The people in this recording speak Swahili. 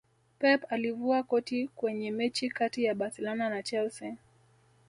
pep alivua koti Kwenye mechi kati ya barcelona na chelsea